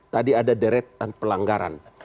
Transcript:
tadi ada deret dan pelanggaran